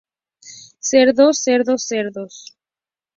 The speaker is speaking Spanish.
Cerdos, cerdos, cerdos.